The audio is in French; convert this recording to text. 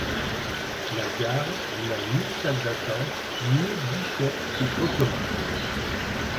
La gare n'a ni salle d'attente, ni guichet ou automate.